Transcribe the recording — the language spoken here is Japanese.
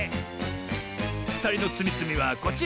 ふたりのつみつみはこちら！